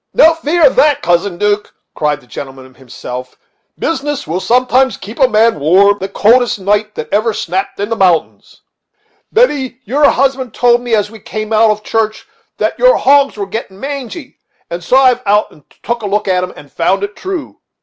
"No fear of that, Cousin 'Duke," cried the gentleman himself; "business will sometimes keep a man warm the coldest night that ever snapt in the mountains. Betty, your husband told me, as we came out of church, that your hogs were getting mangy, and so I have been out to take a look at them, and found it true.